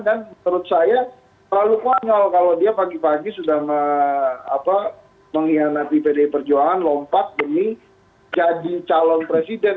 dan menurut saya terlalu kanyol kalau dia pagi pagi sudah mengkhianati pdi perjuangan lompat demi jadi calon presiden